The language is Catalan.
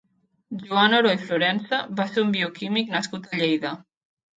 Joan Oró i Florensa va ser un bioquímic nascut a Lleida.